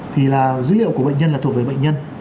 thì là dữ liệu của bệnh nhân là thuộc về bệnh nhân